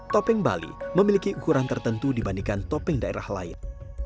topeng bali memiliki ukuran tertentu dibandingkan topeng daerah lain